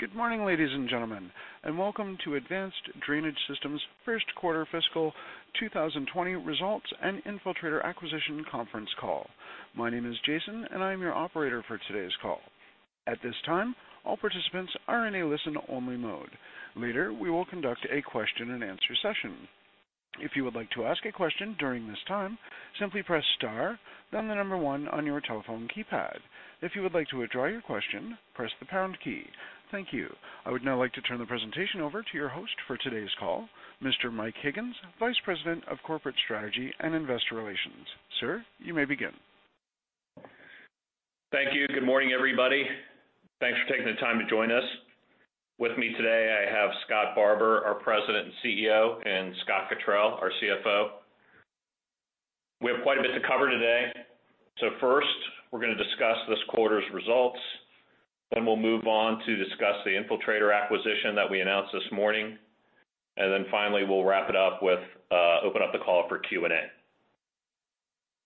Good morning, ladies and gentlemen, and welcome to Advanced Drainage Systems' First Quarter Fiscal 2020 Results and Infiltrator Acquisition Conference Call. My name is Jason, and I'm your operator for today's call. At this time, all participants are in a listen-only mode. Later, we will conduct a question-and-answer session. If you would like to ask a question during this time, simply press star, then the number one on your telephone keypad. If you would like to withdraw your question, press the pound key. Thank you. I would now like to turn the presentation over to your host for today's call, Mr. Mike Higgins, Vice President of Corporate Strategy and Investor Relations. Sir, you may begin. Thank you. Good morning, everybody. Thanks for taking the time to join us. With me today, I have Scott Barbour, our President and CEO, and Scott Cottrill, our CFO. We have quite a bit to cover today. So first, we're gonna discuss this quarter's results, then we'll move on to discuss the Infiltrator acquisition that we announced this morning, and then finally, we'll wrap it up with open up the call for Q&A.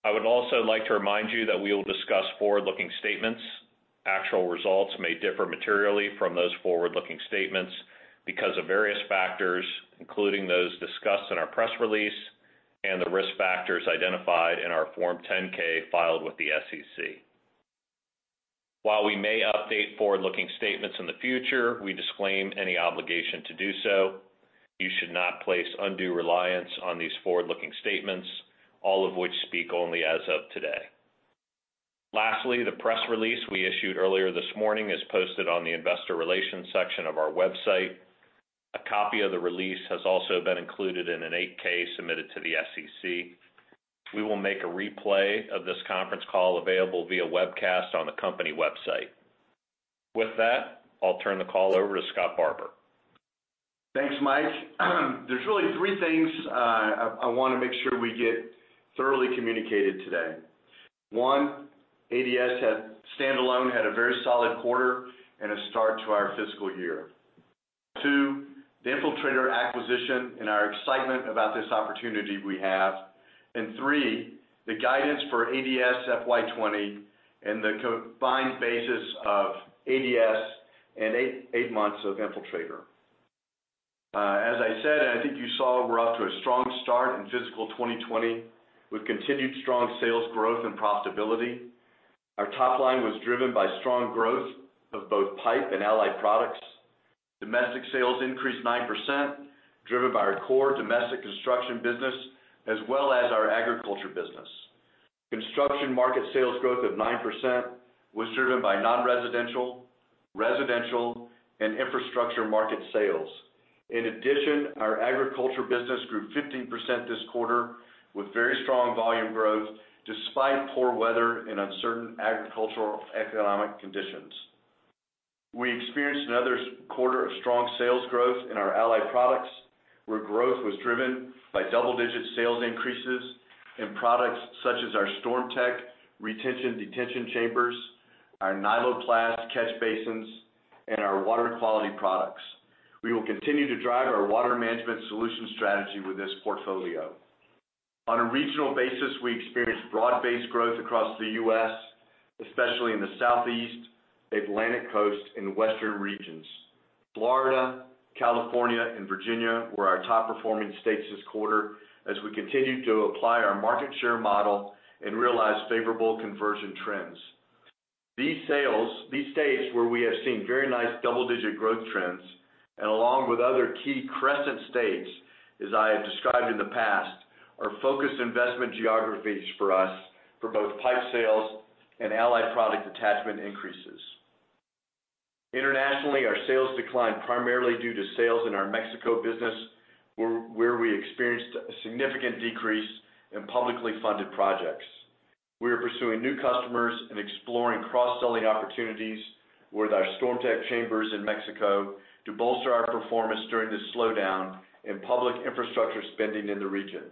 I would also like to remind you that we will discuss forward-looking statements. Actual results may differ materially from those forward-looking statements because of various factors, including those discussed in our press release and the risk factors identified in our Form 10-K filed with the SEC. While we may update forward-looking statements in the future, we disclaim any obligation to do so. You should not place undue reliance on these forward-looking statements, all of which speak only as of today. Lastly, the press release we issued earlier this morning is posted on the investor relations section of our website. A copy of the release has also been included in an 8-K submitted to the SEC. We will make a replay of this conference call available via webcast on the company website. With that, I'll turn the call over to Scott Barbour. Thanks, Mike. There's really three things I wanna make sure we get thoroughly communicated today. One, ADS standalone had a very solid quarter and a start to our fiscal year. Two, the Infiltrator acquisition and our excitement about this opportunity we have. And three, the guidance for ADS FY 2020 and the combined basis of ADS and eight months of Infiltrator. As I said, and I think you saw, we're off to a strong start in fiscal 2020, with continued strong sales growth and profitability. Our top line was driven by strong growth of both pipe and allied products. Domestic sales increased 9%, driven by our core domestic construction business, as well as our agriculture business. Construction market sales growth of 9% was driven by non-residential, residential, and infrastructure market sales. In addition, our agriculture business grew 15% this quarter, with very strong volume growth despite poor weather and uncertain agricultural economic conditions. We experienced another quarter of strong sales growth in our allied products, where growth was driven by double-digit sales increases in products such as our StormTech Retention Detention Chambers, our Nyloplast Catch Basins and our water quality products. We will continue to drive our water management solution strategy with this portfolio. On a regional basis, we experienced broad-based growth across the U.S., especially in the Southeast, Atlantic Coast, and Western regions. Florida, California, and Virginia were our top-performing states this quarter as we continued to apply our market share model and realize favorable conversion trends. These states, where we have seen very nice double-digit growth trends, and along with other key Crescent states, as I have described in the past, are focused investment geographies for us for both pipe sales and allied product attachment increases. Internationally, our sales declined primarily due to sales in our Mexico business, where we experienced a significant decrease in publicly funded projects. We are pursuing new customers and exploring cross-selling opportunities with our StormTech chambers in Mexico to bolster our performance during this slowdown in public infrastructure spending in the region.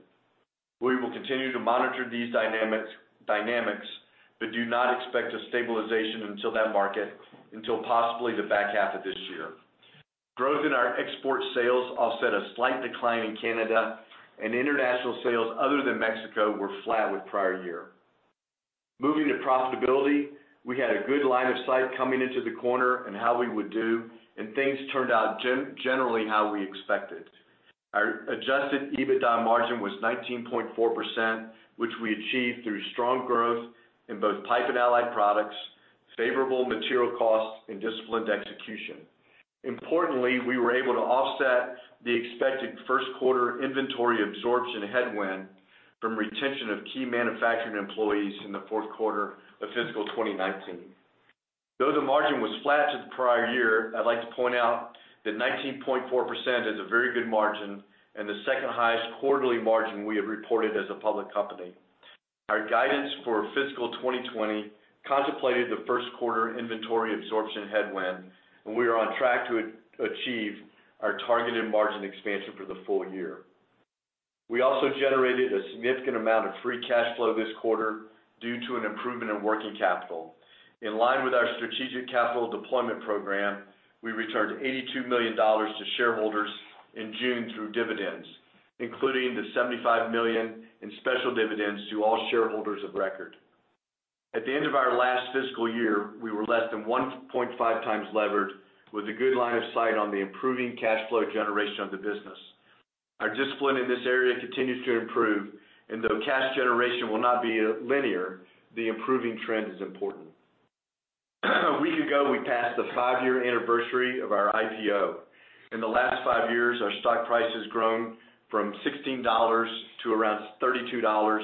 We will continue to monitor these dynamics, but do not expect a stabilization until that market, possibly the back half of this year. Growth in our export sales offset a slight decline in Canada, and international sales other than Mexico were flat with prior year. Moving to profitability, we had a good line of sight coming into the quarter and how we would do, and things turned out generally how we expected. Our adjusted EBITDA margin was 19.4%, which we achieved through strong growth in both pipe and allied products, favorable material costs, and disciplined execution. Importantly, we were able to offset the expected first quarter inventory absorption headwind from retention of key manufacturing employees in the fourth quarter of fiscal 2019. Though the margin was flat to the prior year, I'd like to point out that 19.4% is a very good margin and the second highest quarterly margin we have reported as a public company. Our guidance for fiscal 2020 contemplated the first quarter inventory absorption headwind, and we are on track to achieve our targeted margin expansion for the full year. We also generated a significant amount of free cash flow this quarter due to an improvement in working capital. In line with our strategic capital deployment program, we returned $82 million to shareholders in June through dividends, including the $75 million in special dividends to all shareholders of record. At the end of our last fiscal year, we were less than 1.5 times levered, with a good line of sight on the improving cash flow generation of the business. Our discipline in this area continues to improve, and though cash generation will not be linear, the improving trend is important. A week ago, we passed the five-year anniversary of our IPO. In the last five years, our stock price has grown from $16 to around $32,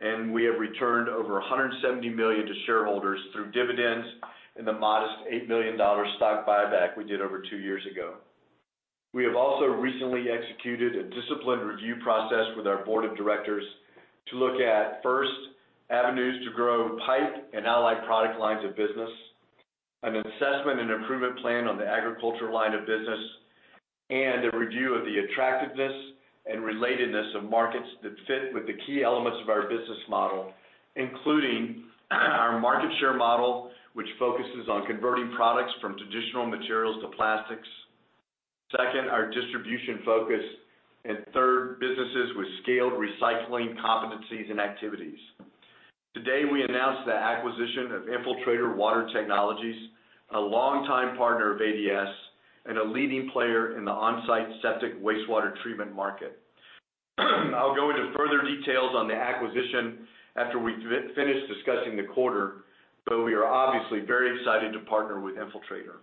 and we have returned over $170 million to shareholders through dividends and the modest $8 million stock buyback we did over two years ago. We have also recently executed a disciplined review process with our board of directors to look at, first, avenues to grow pipe and allied product lines of business, an assessment and improvement plan on the agriculture line of business, and a review of the attractiveness and relatedness of markets that fit with the key elements of our business model, including, our market share model, which focuses on converting products from traditional materials to plastics. Second, our distribution focus, and third, businesses with scaled recycling competencies and activities. Today, we announced the acquisition of Infiltrator Water Technologies, a longtime partner of ADS, and a leading player in the on-site septic wastewater treatment market. I'll go into further details on the acquisition after we finish discussing the quarter, but we are obviously very excited to partner with Infiltrator.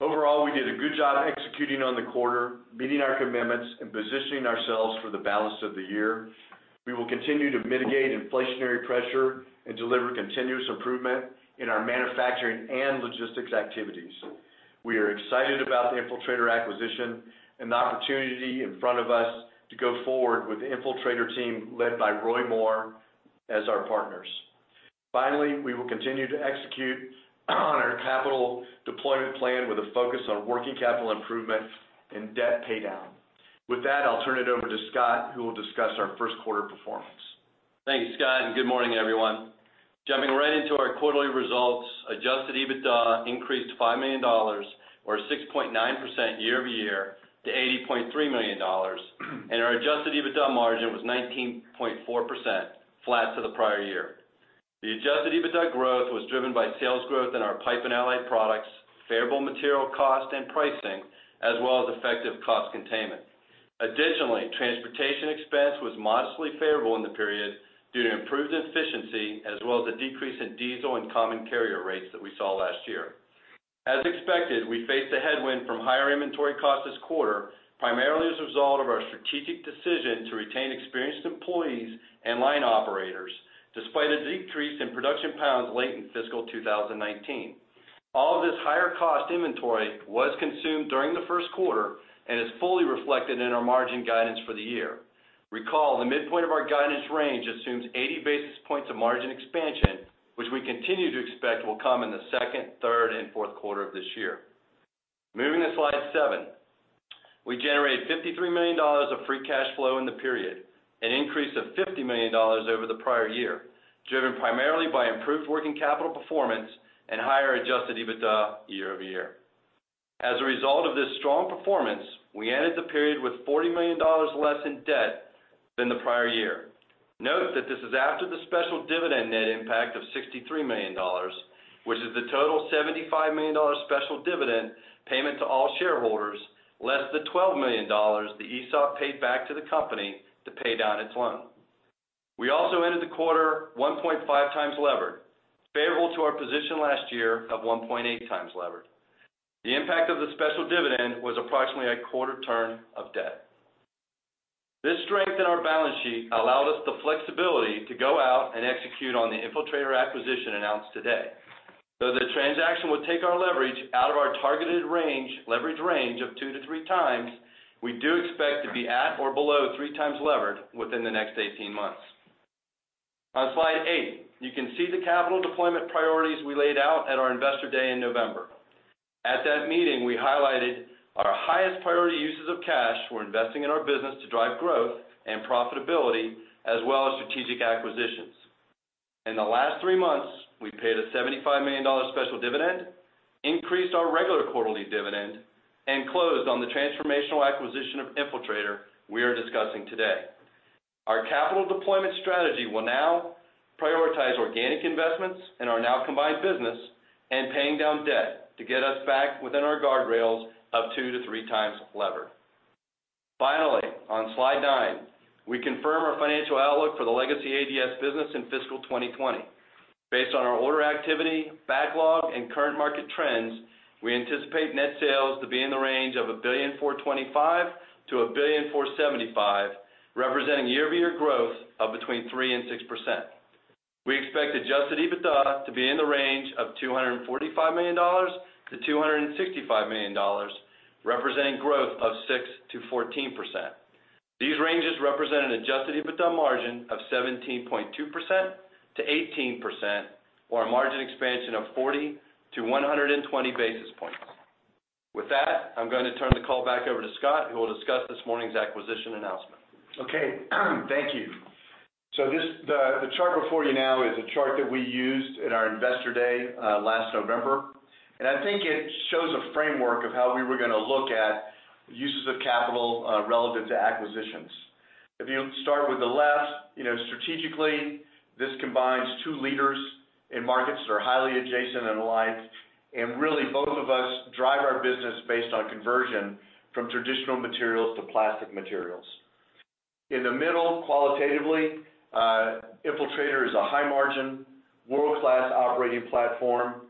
Overall, we did a good job executing on the quarter, meeting our commitments, and positioning ourselves for the balance of the year. We will continue to mitigate inflationary pressure and deliver continuous improvement in our manufacturing and logistics activities. We are excited about the Infiltrator acquisition and the opportunity in front of us to go forward with the Infiltrator team, led by Roy Moore, as our partners. Finally, we will continue to execute on our capital deployment plan with a focus on working capital improvement and debt paydown. With that, I'll turn it over to Scott, who will discuss our first quarter performance. Thanks, Scott, and good morning, everyone. Jumping right into our quarterly results, Adjusted EBITDA increased $5 million, or 6.9% year-over-year, to $80.3 million. Our Adjusted EBITDA margin was 19.4%, flat to the prior year. The Adjusted EBITDA growth was driven by sales growth in our pipe and allied products, favorable material cost and pricing, as well as effective cost containment. Additionally, transportation expense was modestly favorable in the period due to improved efficiency, as well as a decrease in diesel and common carrier rates that we saw last year. As expected, we faced a headwind from higher inventory costs this quarter, primarily as a result of our strategic decision to retain experienced employees and line operators, despite a decrease in production pounds late in fiscal 2019. All of this higher cost inventory was consumed during the first quarter and is fully reflected in our margin guidance for the year. Recall, the midpoint of our guidance range assumes eighty basis points of margin expansion, which we continue to expect will come in the second, third, and fourth quarter of this year. Moving to slide seven. We generated $53 million of free cash flow in the period, an increase of $50 million over the prior year, driven primarily by improved working capital performance and higher Adjusted EBITDA year-over-year. As a result of this strong performance, we ended the period with $40 million less in debt than the prior year. Note that this is after the special dividend net impact of $63 million, which is the total $75 million special dividend payment to all shareholders, less the $12 million the ESOP paid back to the company to pay down its loan. We also ended the quarter 1.5 times levered, favorable to our position last year of 1.8 times levered. The impact of the special dividend was approximately a quarter turn of debt. This strength in our balance sheet allowed us the flexibility to go out and execute on the Infiltrator acquisition announced today. Though the transaction will take our leverage out of our targeted range, leverage range of two to three times, we do expect to be at or below three times levered within the next eighteen months. On slide eight, you can see the capital deployment priorities we laid out at our Investor Day in November. At that meeting, we highlighted our highest priority uses of cash were investing in our business to drive growth and profitability, as well as strategic acquisitions. In the last three months, we paid a $75 million special dividend, increased our regular quarterly dividend, and closed on the transformational acquisition of Infiltrator we are discussing today. Our capital deployment strategy will now prioritize organic investments in our now combined business and paying down debt to get us back within our guardrails of two to three times levered. Finally, on slide nine, we confirm our financial outlook for the legacy ADS business in fiscal 2020. Based on our order activity, backlog, and current market trends, we anticipate net sales to be in the range of $1.425 billion-$1.475 billion, representing year-over-year growth of between 3% and 6%. We expect Adjusted EBITDA to be in the range of $245 million-$265 million, representing growth of 6%-14%. These ranges represent an Adjusted EBITDA margin of 17.2%-18%, or a margin expansion of 40-120 basis points. With that, I'm going to turn the call back over to Scott, who will discuss this morning's acquisition announcement. Okay, thank you. So the chart before you now is a chart that we used in our Investor Day last November, and I think it shows a framework of how we were going to look at uses of capital relative to acquisitions. If you start with the left, you know, strategically, this combines two leaders in markets that are highly adjacent and aligned, and really, both of us drive our business based on conversion from traditional materials to plastic materials. In the middle, qualitatively, Infiltrator is a high margin, world-class operating platform.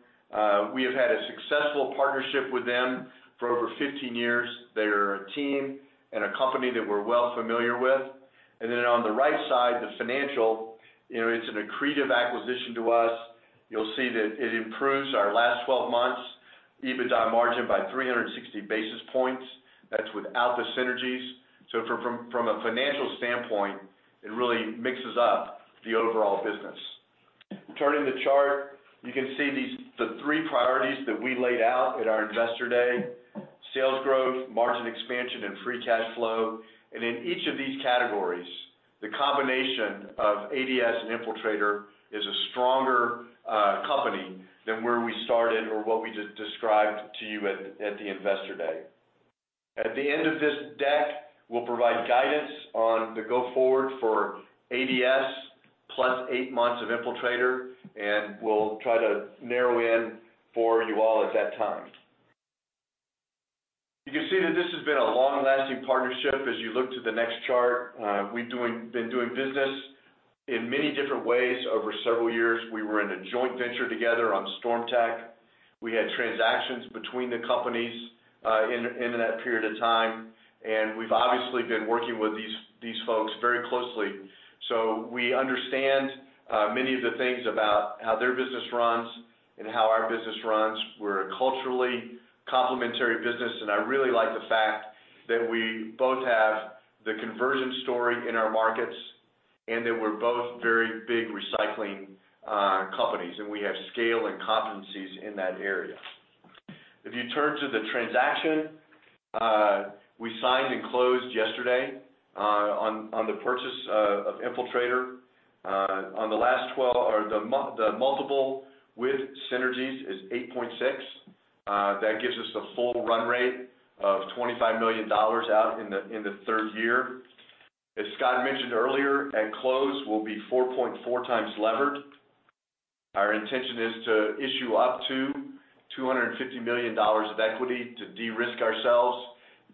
We have had a successful partnership with them for over 15 years. They're a team and a company that we're well familiar with. And then on the right side, the financial, you know, it's an accretive acquisition to us. You'll see that it improves our last twelve months EBITDA margin by 360 basis points. That's without the synergies, so from a financial standpoint, it really mixes up the overall business. Turning to the chart, you can see these, the three priorities that we laid out at our Investor Day: sales growth, margin expansion, and free cash flow, and in each of these categories, the combination of ADS and Infiltrator is a stronger company than where we started or what we just described to you at the Investor Day. At the end of this deck, we'll provide guidance on the go forward for ADS, plus eight months of Infiltrator, and we'll try to narrow in for you all at that time. You can see that this has been a long-lasting partnership as you look to the next chart. We've been doing business in many different ways over several years. We were in a joint venture together on StormTech. We had transactions between the companies in that period of time, and we've obviously been working with these folks very closely. So we understand many of the things about how their business runs and how our business runs. We're a culturally complementary business, and I really like the fact that we both have the conversion story in our markets and that we're both very big recycling companies, and we have scale and competencies in that area. If you turn to the transaction, we signed and closed yesterday on the purchase of Infiltrator. On the last twelve, the multiple with synergies is eight point six. That gives us the full run rate of $25 million out in the third year. As Scott mentioned earlier, at close, we'll be 4.4 times levered. Our intention is to issue up to $250 million of equity to de-risk ourselves,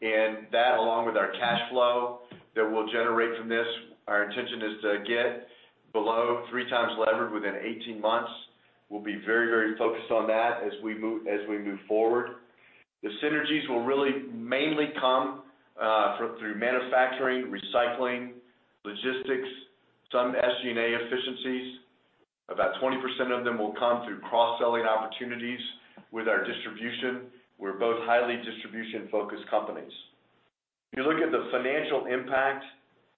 and that, along with our cash flow that we'll generate from this, our intention is to get below three times levered within 18 months. We'll be very, very focused on that as we move forward. The synergies will really mainly come through manufacturing, recycling, logistics, some SG&A efficiencies. About 20% of them will come through cross-selling opportunities with our distribution. We're both highly distribution-focused companies. If you look at the financial impact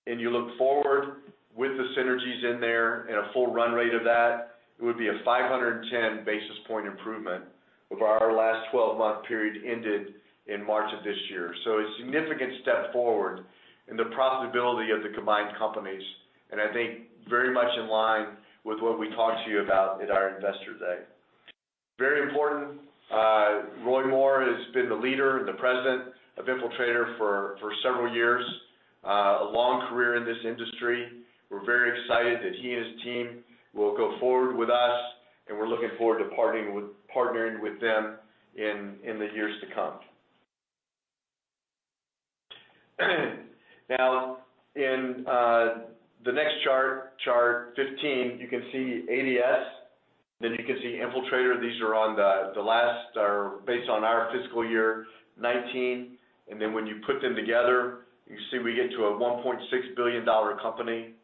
and you look forward with the synergies in there and a full run rate of that, it would be a 510 basis point improvement over our last twelve-month period, ended in March of this year. So a significant step forward in the profitability of the combined companies, and I think very much in line with what we talked to you about at our Investor Day. Very important, Roy Moore has been the leader and the president of Infiltrator for several years, a long career in this industry. We're very excited that he and his team will go forward with us, and we're looking forward to partnering with them in the years to come. Now, in the next chart, chart 15, you can see ADS, then you can see Infiltrator. These are on the last or based on our fiscal year 2019, and then when you put them together, you see we get to a $1.6 billion company.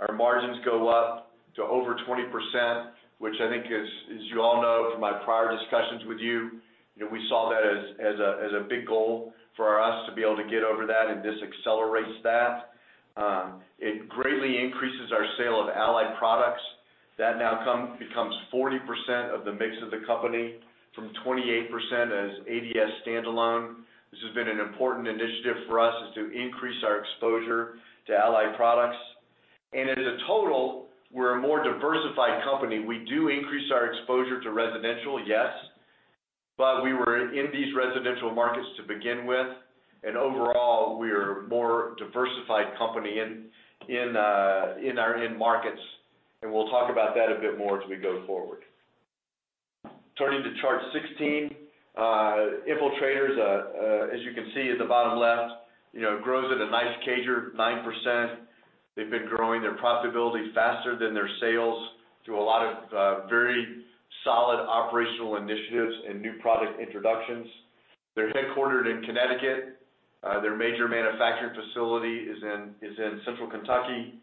Our margins go up to over 20%, which I think is, as you all know from my prior discussions with you, you know, we saw that as, as a, as a big goal for us to be able to get over that, and this accelerates that. It greatly increases our sale of allied products. That now becomes 40% of the mix of the company, from 28% as ADS standalone. This has been an important initiative for us, is to increase our exposure to allied products. And as a total, we're a more diversified company. We do increase our exposure to residential, yes, but we were in these residential markets to begin with, and overall, we are a more diversified company in our end markets, and we'll talk about that a bit more as we go forward. Turning to chart 16, Infiltrator's, as you can see at the bottom left, you know, grows at a nice CAGR, 9%. They've been growing their profitability faster than their sales through a lot of very solid operational initiatives and new product introductions. They're headquartered in Connecticut. Their major manufacturing facility is in Central Kentucky.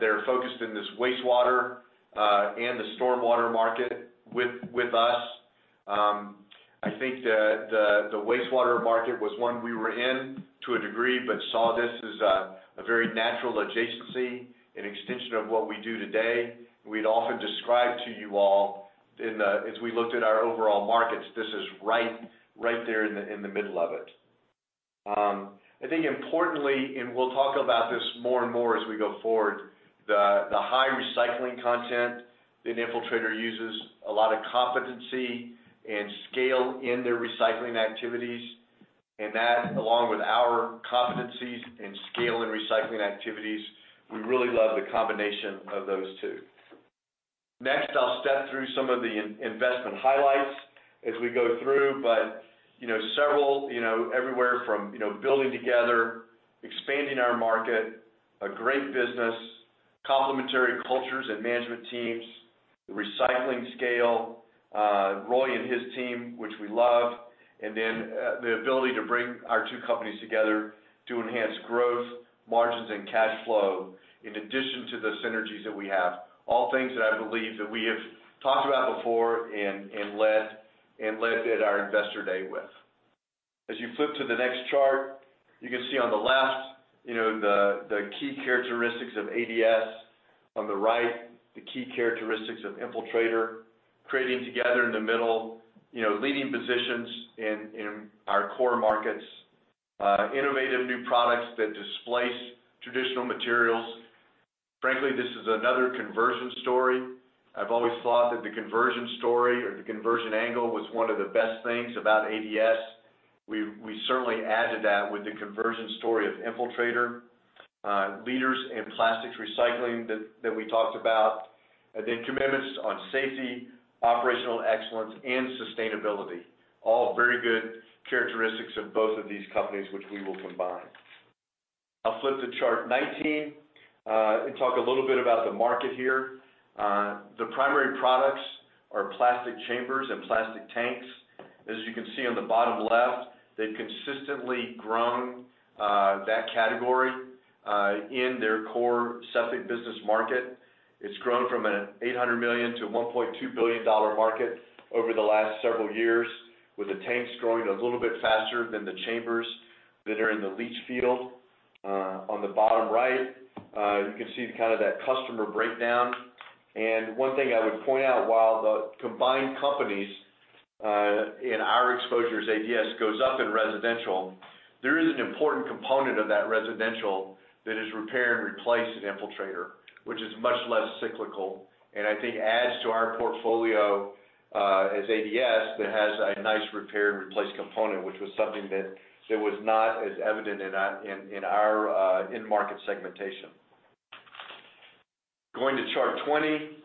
They're focused in this wastewater and the stormwater market with us. I think the wastewater market was one we were in to a degree, but saw this as a very natural adjacency, an extension of what we do today. We'd often describe to you all, as we looked at our overall markets, this is right there in the middle of it. I think importantly, and we'll talk about this more and more as we go forward, the high recycling content that Infiltrator uses, a lot of competency and scale in their recycling activities, and that, along with our competencies and scale in recycling activities, we really love the combination of those two. Next, I'll step through some of the investment highlights as we go through. But you know, several, you know, everywhere from, you know, building together, expanding our market, a great business, complementary cultures and management teams, the recycling scale, Roy and his team, which we love, and then the ability to bring our two companies together to enhance growth, margins, and cash flow, in addition to the synergies that we have. All things that I believe that we have talked about before and led at our Investor Day with. As you flip to the next chart, you can see on the left, you know, the key characteristics of ADS. On the right, the key characteristics of Infiltrator. Creating together in the middle, you know, leading positions in our core markets, innovative new products that displace traditional materials. Frankly, this is another conversion story. I've always thought that the conversion story or the conversion angle was one of the best things about ADS. We certainly added that with the conversion story of Infiltrator. Leaders in plastics recycling that we talked about, and then commitments on safety, operational excellence, and sustainability. All very good characteristics of both of these companies, which we will combine. I'll flip to chart 19 and talk a little bit about the market here. The primary products are plastic chambers and plastic tanks. As you can see on the bottom left, they've consistently grown that category in their core septic business market. It's grown from a $800 million-$1.2 billion market over the last several years, with the tanks growing a little bit faster than the chambers that are in the leach field. On the bottom right, you can see kind of that customer breakdown, and one thing I would point out, while the combined companies, in our exposures, ADS, goes up in residential, there is an important component of that residential that is repair and replace at Infiltrator, which is much less cyclical, and I think adds to our portfolio, as ADS, that has a nice repair and replace component, which was something that was not as evident in our in-market segmentation. Going to chart twenty.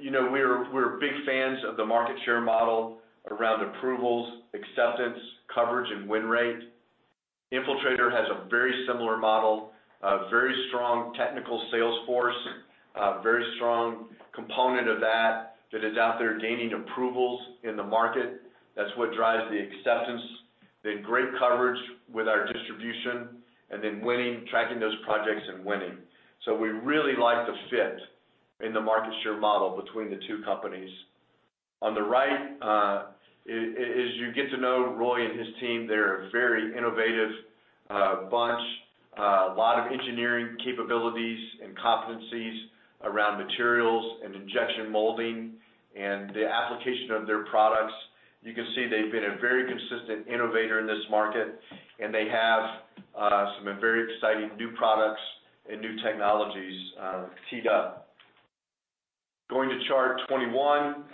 You know, we're big fans of the market share model around approvals, acceptance, coverage, and win rate. Infiltrator has a very similar model, a very strong technical sales force, very strong component of that that is out there gaining approvals in the market. That's what drives the acceptance. They have great coverage with our distribution, and then winning, tracking those projects and winning. So we really like the fit in the market share model between the two companies. On the right, as you get to know Roy and his team, they're a very innovative bunch. A lot of engineering capabilities and competencies around materials and injection molding and the application of their products. You can see they've been a very consistent innovator in this market, and they have some very exciting new products and new technologies teed up. Going to chart 21.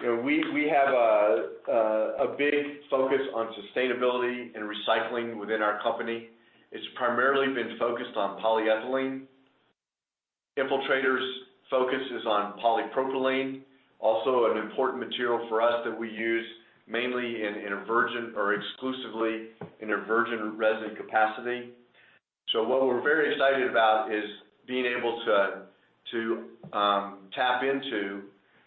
You know, we have a big focus on sustainability and recycling within our company. It's primarily been focused on polyethylene. Infiltrator's focus is on polypropylene, also an important material for us that we use mainly in a virgin or exclusively in a virgin resin capacity. So what we're very excited about is being able to tap into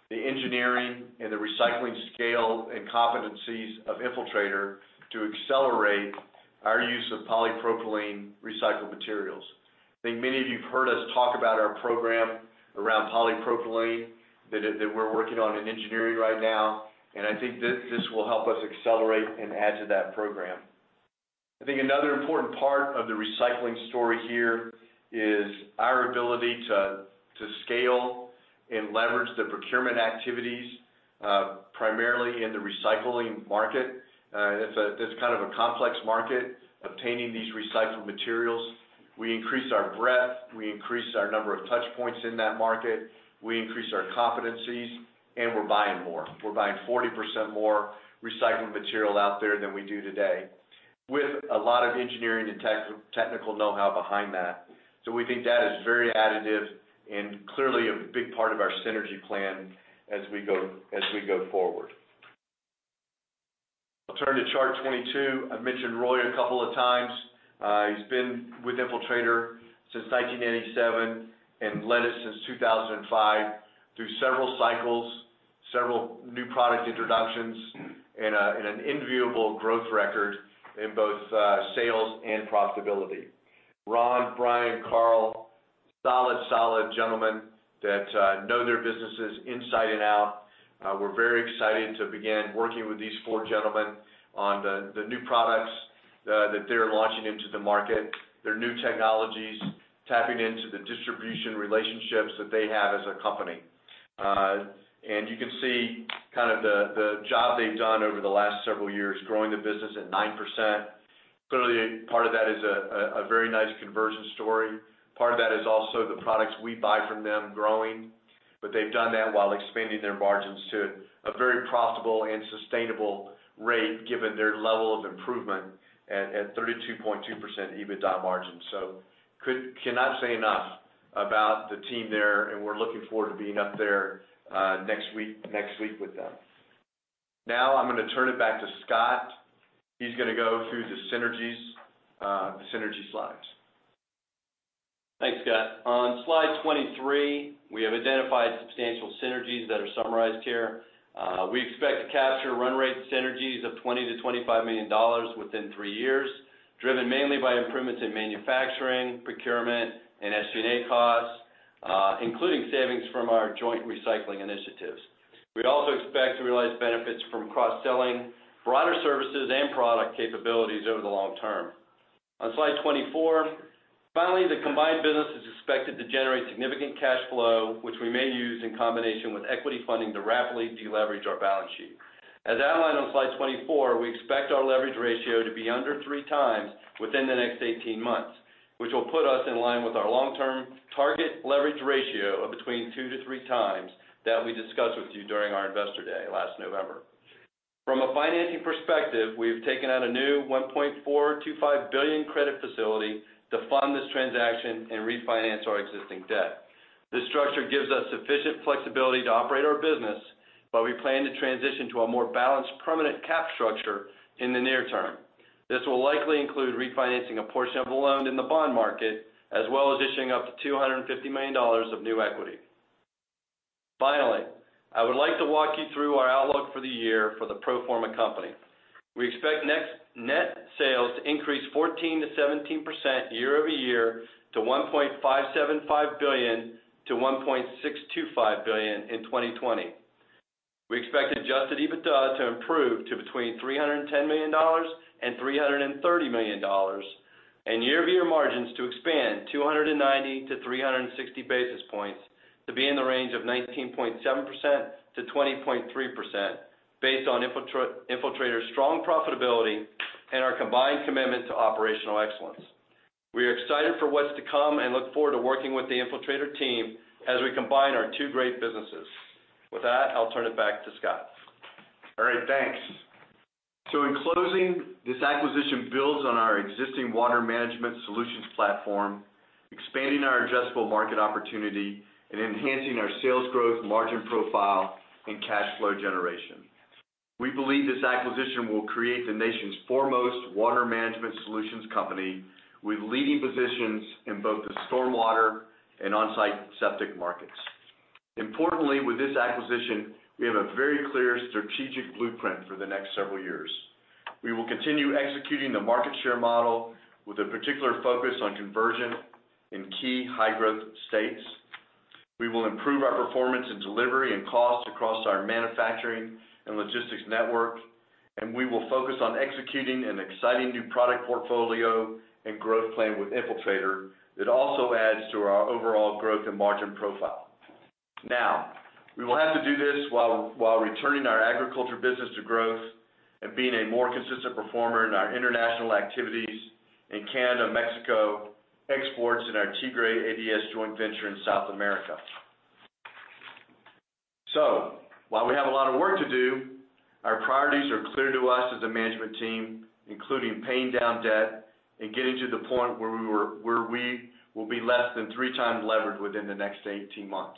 the engineering and the recycling scale and competencies of Infiltrator to accelerate our use of polypropylene recycled materials. I think many of you have heard us talk about our program around polypropylene that we're working on in engineering right now, and I think this will help us accelerate and add to that program. I think another important part of the recycling story here is our ability to scale and leverage the procurement activities primarily in the recycling market. That's kind of a complex market, obtaining these recycled materials. We increase our breadth, we increase our number of touch points in that market, we increase our competencies, and we're buying more. We're buying 40% more recycled material out there than we do today, with a lot of engineering and technical know-how behind that. So we think that is very additive and clearly a big part of our synergy plan as we go forward. I'll turn to chart 22. I've mentioned Roy a couple of times. He's been with Infiltrator since 1987 and led us since 2005 through several cycles, several new product introductions, and an enviable growth record in both sales and profitability. Ron, Brian, Carl, solid, solid gentlemen that know their businesses inside and out. We're very excited to begin working with these four gentlemen on the new products that they're launching into the market, their new technologies, tapping into the distribution relationships that they have as a company. And you can see kind of the job they've done over the last several years, growing the business at 9%. Clearly, part of that is a very nice conversion story. Part of that is also the products we buy from them growing, but they've done that while expanding their margins to a very profitable and sustainable rate, given their level of improvement at 32.2% EBITDA margin. So cannot say enough about the team there, and we're looking forward to being up there next week with them. Now, I'm gonna turn it back to Scott. He's gonna go through the synergies, the synergy slides. Thanks, Scott. On slide 23, we have identified substantial synergies that are summarized here. We expect to capture run rate synergies of $20 million-$25 million within three years, driven mainly by improvements in manufacturing, procurement, and SG&A costs, including savings from our joint recycling initiatives. We'd also expect to realize benefits from cross-selling broader services and product capabilities over the long term. On slide 24, finally, the combined business is expected to generate significant cash flow, which we may use in combination with equity funding to rapidly deleverage our balance sheet. As outlined on slide 24, we expect our leverage ratio to be under three times within the next 18 months, which will put us in line with our long-term target leverage ratio of between two to three times that we discussed with you during our Investor Day last November. From a financing perspective, we've taken out a new $1.425 billion credit facility to fund this transaction and refinance our existing debt. This structure gives us sufficient flexibility to operate our business, but we plan to transition to a more balanced, permanent capital structure in the near term. This will likely include refinancing a portion of the loan in the bond market, as well as issuing up to $250 million of new equity. Finally, I would like to walk you through our outlook for the year for the pro forma company. We expect next-year net sales to increase 14%-17% year-over-year to $1.575 billion-$1.625 billion in 2020. We expect Adjusted EBITDA to improve to between $310 million and $330 million, and year-over-year margins to expand 290 to 360 basis points to be in the range of 19.7% to 20.3% based on Infiltrator's strong profitability and our combined commitment to operational excellence. We are excited for what's to come and look forward to working with the Infiltrator team as we combine our two great businesses. With that, I'll turn it back to Scott. All right, thanks. So in closing, this acquisition builds on our existing water management solutions platform, expanding our addressable market opportunity and enhancing our sales growth, margin profile, and cash flow generation. We believe this acquisition will create the nation's foremost water management solutions company, with leading positions in both the stormwater and on-site septic markets. Importantly, with this acquisition, we have a very clear strategic blueprint for the next several years. We will continue executing the market share model with a particular focus on conversion in key high-growth states. We will improve our performance and delivery and cost across our manufacturing and logistics network, and we will focus on executing an exciting new product portfolio and growth plan with Infiltrator that also adds to our overall growth and margin profile. Now, we will have to do this while returning our agriculture business to growth and being a more consistent performer in our international activities in Canada, Mexico, exports, and our Tigre-ADS joint venture in South America. So while we have a lot of work to do, our priorities are clear to us as a management team, including paying down debt and getting to the point where we will be less than three times levered within the next 18 months.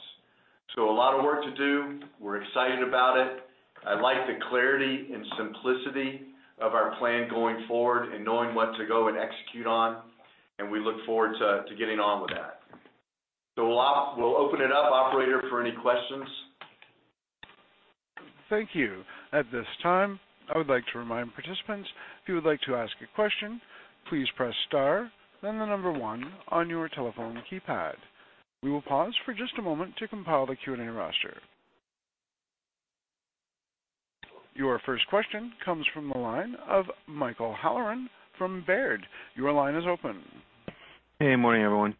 So a lot of work to do. We're excited about it. I like the clarity and simplicity of our plan going forward and knowing what to go and execute on, and we look forward to getting on with that. So we'll open it up, operator, for any questions. Thank you. At this time, I would like to remind participants, if you would like to ask a question, please press star, then the number one on your telephone keypad. We will pause for just a moment to compile the Q&A roster. Your first question comes from the line of Michael Halloran from Baird. Your line is open. Hey, good morning, everyone.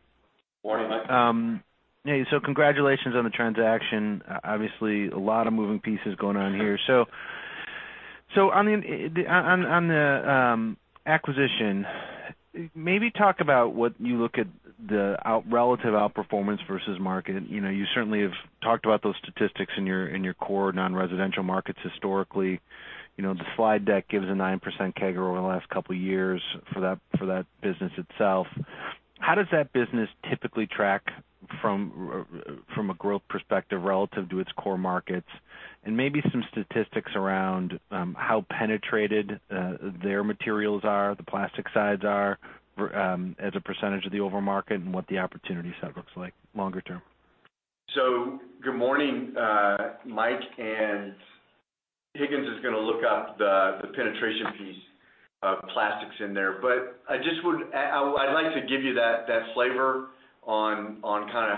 Morning, Mike. Hey, so congratulations on the transaction. Obviously, a lot of moving pieces going on here. So on the acquisition, maybe talk about what you look at the relative outperformance versus market. You know, you certainly have talked about those statistics in your core non-residential markets historically. You know, the slide deck gives a 9% CAGR over the last couple of years for that business itself. How does that business typically track from a growth perspective relative to its core markets? And maybe some statistics around how penetrated their materials are, the plastics are, as a percentage of the overall market and what the opportunity set looks like longer term. Good morning, Mike Higgins is gonna look up the penetration piece of plastics in there. But I'd like to give you that flavor on kind of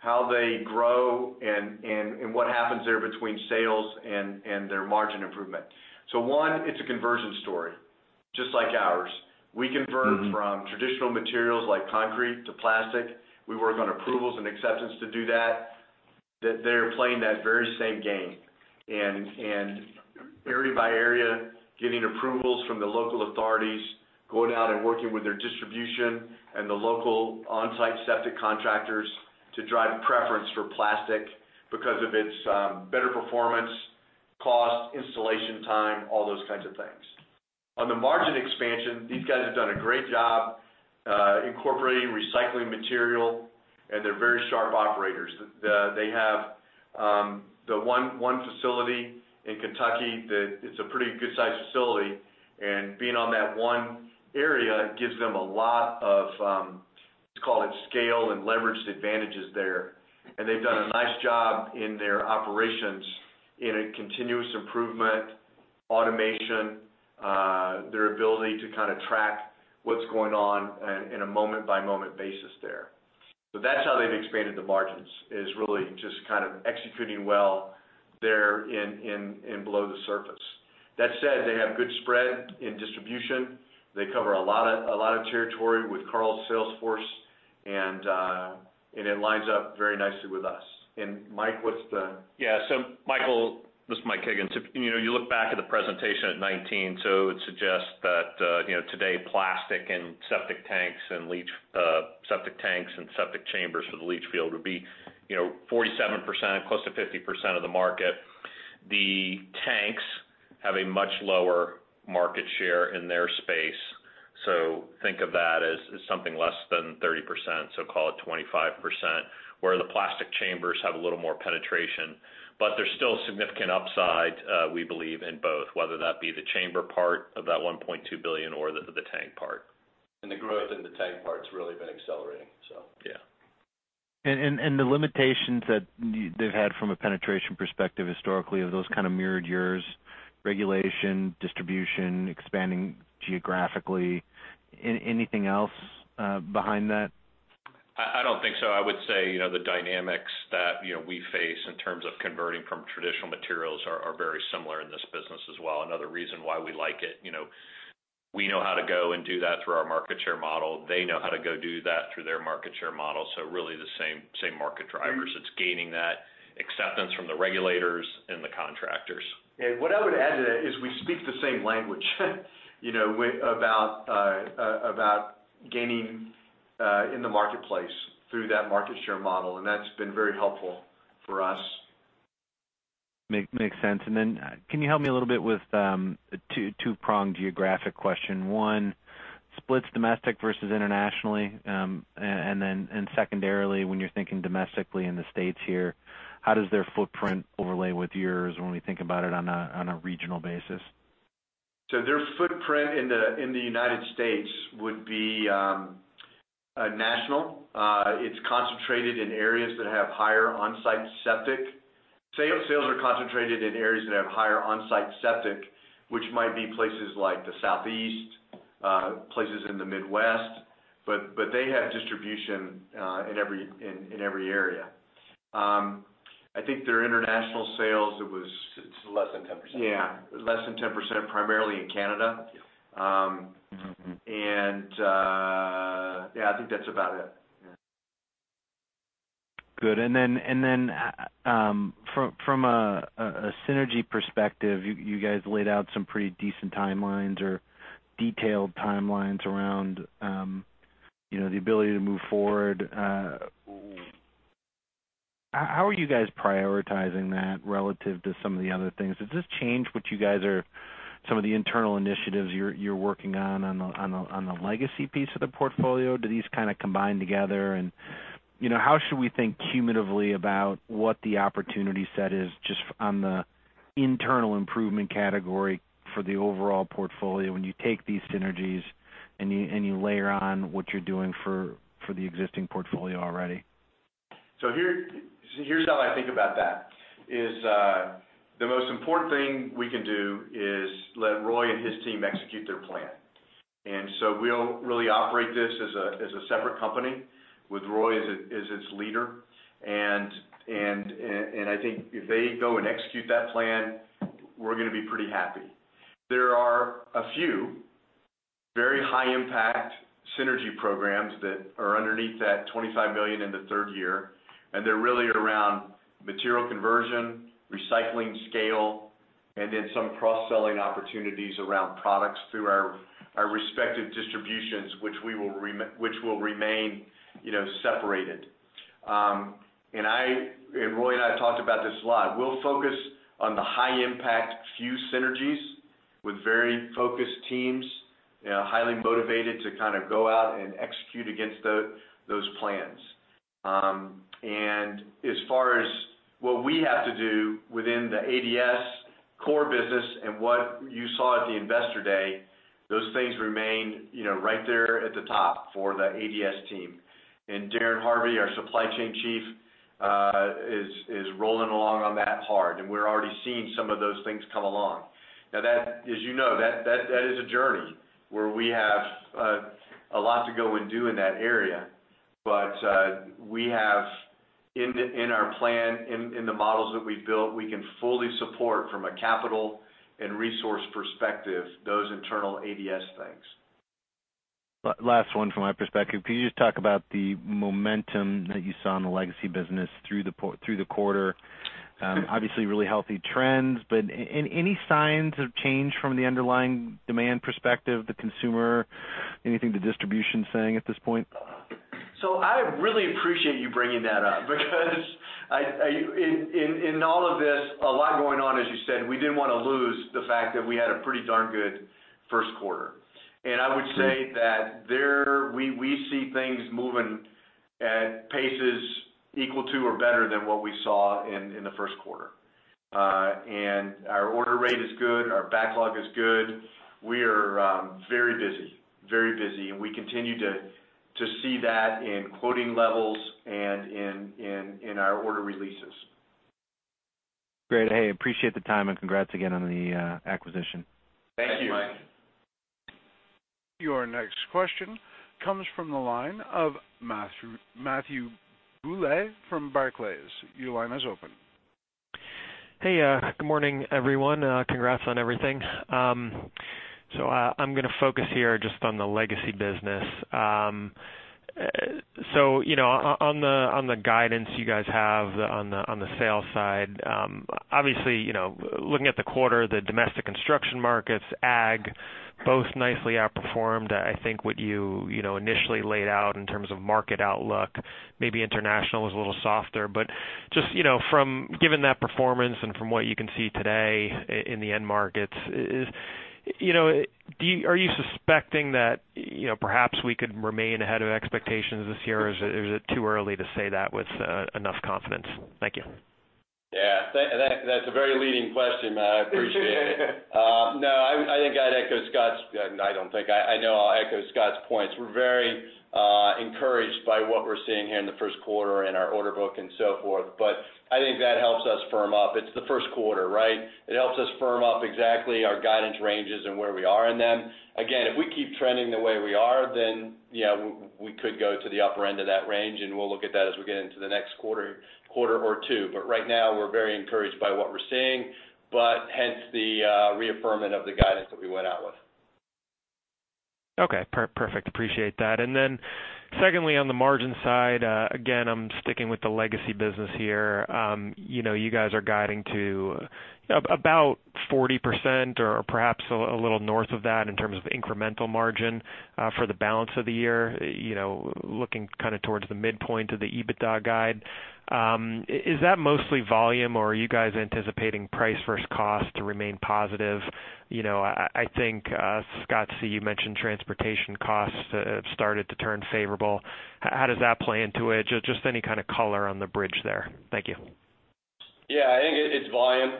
how they grow and what happens there between sales and their margin improvement. One, it's a conversion story just like ours. We convert- Mm-hmm. -from traditional materials, like concrete to plastic. We work on approvals and acceptance to do that, that they're playing that very same game. And area by area, getting approvals from the local authorities, going out and working with their distribution and the local on-site septic contractors to drive preference for plastic because of its better performance, cost, installation time, all those kinds of things. On the margin expansion, these guys have done a great job incorporating recycling material, and they're very sharp operators. They have the one facility in Kentucky that it's a pretty good-sized facility, and being on that one area gives them a lot of, let's call it scale and leveraged advantages there. And they've done a nice job in their operations in a continuous improvement, automation, their ability to kind of track what's going on in a moment-by-moment basis there. So that's how they've expanded the margins, is really just kind of executing well there in below the surface. That said, they have good spread in distribution. They cover a lot of, a lot of territory with Carl's sales force, and it lines up very nicely with us. And Mike, what's the- Yeah. So Michael, this is Mike Higgins. You know, you look back at the presentation at 2019, so it suggests that, you know, today, plastic and septic tanks and leach, septic tanks and septic chambers for the leach field would be, you know, 47%, close to 50% of the market. The tanks have a much lower market share in their space, so think of that as, as something less than 30%, so call it 25%, where the plastic chambers have a little more penetration. But there's still significant upside, we believe, in both, whether that be the chamber part of that $1.2 billion or the, the tank part. The growth in the tank part's really been accelerating, so. Yeah. And the limitations that they've had from a penetration perspective historically, are those kind of mirrored yours: regulation, distribution, expanding geographically. And anything else behind that? I don't think so. I would say, you know, the dynamics that, you know, we face in terms of converting from traditional materials are very similar in this business as well, another reason why we like it. You know, we know how to go and do that through our market share model. They know how to go do that through their market share model, so really the same market drivers. Mm-hmm. It's gaining that acceptance from the regulators and the contractors. And what I would add to that is we speak the same language, you know, with about gaining in the marketplace through that market share model, and that's been very helpful for us. Makes sense. And then, can you help me a little bit with a two-prong geographic question? One, splits domestic versus internationally, and then, secondarily, when you're thinking domestically in the States here, how does their footprint overlay with yours when we think about it on a regional basis? Their footprint in the United States would be national. It's concentrated in areas that have higher on-site septic. Sales are concentrated in areas that have higher on-site septic, which might be places like the Southeast, places in the Midwest, but they have distribution in every area. I think their international sales, it was- It's less than 10%. Yeah, less than 10%, primarily in Canada. Yeah. Um- Mm-hmm. And, yeah, I think that's about it. Yeah. Good. And then, from a synergy perspective, you guys laid out some pretty decent timelines or detailed timelines around, you know, the ability to move forward. How are you guys prioritizing that relative to some of the other things? Does this change what you guys are some of the internal initiatives you're working on, on the legacy piece of the portfolio? Do these kind of combine together? And, you know, how should we think cumulatively about what the opportunity set is just on the internal improvement category for the overall portfolio when you take these synergies and you layer on what you're doing for the existing portfolio already? So here's how I think about that is the most important thing we can do is let Roy and his team execute their plan. And so we'll really operate this as a separate company with Roy as its leader. And I think if they go and execute that plan, we're gonna be pretty happy. There are a few very high-impact synergy programs that are underneath that $25 million in the third year, and they're really around material conversion, recycling scale, and then some cross-selling opportunities around products through our respective distributions, which will remain, you know, separated. And Roy and I have talked about this a lot. We'll focus on the high-impact, few synergies with very focused teams, highly motivated to kind of go out and execute against those plans. And as far as what we have to do within the ADS core business and what you saw at the Investor Day, those things remain, you know, right there at the top for the ADS team. And Darin Harvey, our supply chain chief, is rolling along on that hard, and we're already seeing some of those things come along. Now that, as you know, that is a journey where we have a lot to go and do in that area. But we have in our plan, in the models that we've built, we can fully support from a capital and resource perspective, those internal ADS things. Last one from my perspective. Can you just talk about the momentum that you saw in the legacy business through the quarter? Obviously, really healthy trends, but any signs of change from the underlying demand perspective, the consumer, anything the distribution's saying at this point? I really appreciate you bringing that up, because in all of this, a lot going on, as you said, we didn't wanna lose the fact that we had a pretty darn good first quarter. I would say that we see things moving at paces equal to or better than what we saw in the first quarter. Our order rate is good, our backlog is good. We are very busy, very busy, and we continue to see that in quoting levels and in our order releases. Great. Hey, appreciate the time, and congrats again on the acquisition. Thank you, Mike. Your next question comes from the line of Matthew Bouley from Barclays. Your line is open. Hey, good morning, everyone. Congrats on everything. So, I'm gonna focus here just on the legacy business. So, you know, on the guidance you guys have on the sales side, obviously, you know, looking at the quarter, the domestic construction markets, ag, both nicely outperformed, I think, what you, you know, initially laid out in terms of market outlook. Maybe international was a little softer, but just, you know, given that performance and from what you can see today in the end markets. You know, are you suspecting that, you know, perhaps we could remain ahead of expectations this year, or is it too early to say that with enough confidence? Thank you. Yeah. That, that's a very leading question, Matt. I appreciate it. No, I think I'd echo Scott's. I know I'll echo Scott's points. We're very encouraged by what we're seeing here in the first quarter in our order book and so forth, but I think that helps us firm up. It's the first quarter, right? It helps us firm up exactly our guidance ranges and where we are in them. Again, if we keep trending the way we are, then, yeah, we could go to the upper end of that range, and we'll look at that as we get into the next quarter or two. But right now, we're very encouraged by what we're seeing, but hence the reaffirming of the guidance that we went out with. Okay, perfect. Appreciate that. And then, secondly, on the margin side, again, I'm sticking with the legacy business here. You know, you guys are guiding to about 40% or perhaps a little north of that in terms of incremental margin, for the balance of the year, you know, looking kinda towards the midpoint of the EBITDA guide. Is that mostly volume, or are you guys anticipating price versus cost to remain positive? You know, I think, Scott, so you mentioned transportation costs have started to turn favorable. How does that play into it? Just any kind of color on the bridge there. Thank you. Yeah. I think it's volume,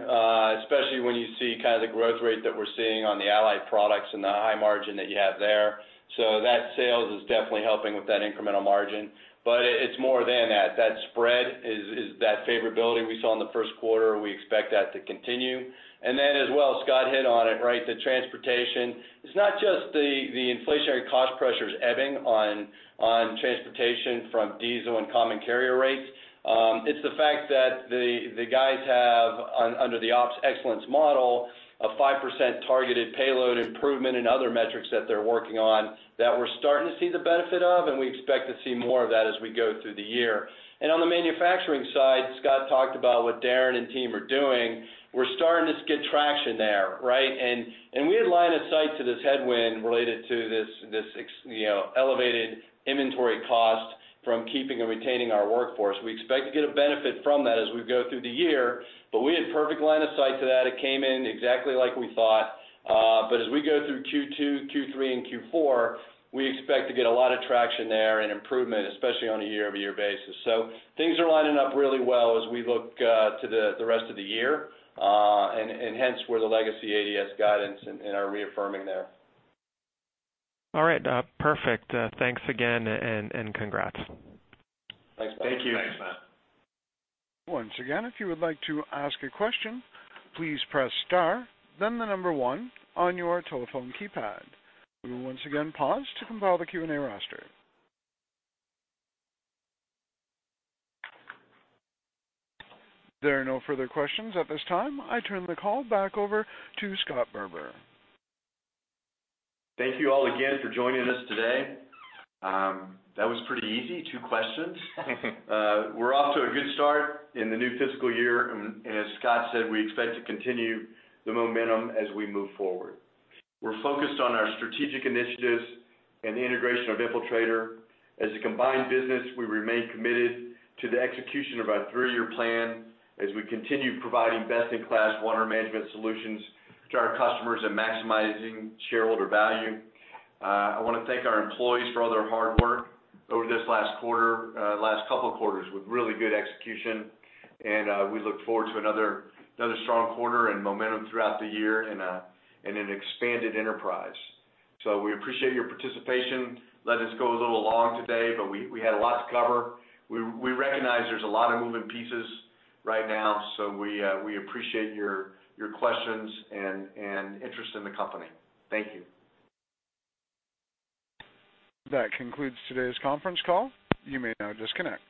especially when you see kind of the growth rate that we're seeing on the allied products and the high margin that you have there. So that sales is definitely helping with that incremental margin, but it's more than that. That spread is that favorability we saw in the first quarter. We expect that to continue. And then as well, Scott hit on it, right? The transportation. It's not just the inflationary cost pressures ebbing on transportation from diesel and common carrier rates, it's the fact that the guys have, under the ops excellence model, a 5% targeted payload improvement in other metrics that they're working on, that we're starting to see the benefit of, and we expect to see more of that as we go through the year. On the manufacturing side, Scott talked about what Darin and team are doing. We're starting to get traction there, right? We had line of sight to this headwind related to this, you know, elevated inventory cost from keeping and retaining our workforce. We expect to get a benefit from that as we go through the year, but we had perfect line of sight to that. It came in exactly like we thought. As we go through Q2, Q3, and Q4, we expect to get a lot of traction there and improvement, especially on a year-over-year basis. Things are lining up really well as we look to the rest of the year, and hence, we're reaffirming the legacy ADS guidance and are reaffirming there. All right. Perfect. Thanks again, and congrats. Thanks, Matt. Thank you. Thanks, Matt. Once again, if you would like to ask a question, please press star, then the number one on your telephone keypad. We will once again pause to compile the Q&A roster. There are no further questions at this time. I turn the call back over to Scott Barbour. Thank you all again for joining us today. That was pretty easy, two questions. We're off to a good start in the new fiscal year, and as Scott said, we expect to continue the momentum as we move forward. We're focused on our strategic initiatives and the integration of Infiltrator. As a combined business, we remain committed to the execution of our three-year plan as we continue providing best-in-class water management solutions to our customers and maximizing shareholder value. I wanna thank our employees for all their hard work over this last quarter, last couple quarters, with really good execution, and we look forward to another strong quarter and momentum throughout the year and an expanded enterprise. So we appreciate your participation. Let us go a little long today, but we had a lot to cover. We recognize there's a lot of moving pieces right now, so we appreciate your questions and interest in the company. Thank you. That concludes today's conference call. You may now disconnect.